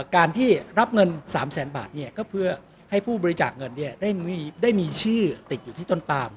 การที่รับเงิน๓แสนบาทก็เพื่อให้ผู้บริจาคเงินได้มีชื่อติดอยู่ที่ต้นปาม